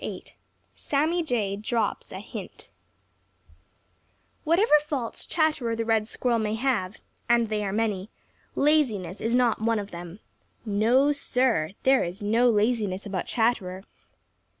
*VIII* *SAMMY JAY DROPS A HINT* Whatever faults Chatterer the Red Squirrel may have, and they are many, laziness is not one of them. No, Sir, there is no laziness about Chatterer.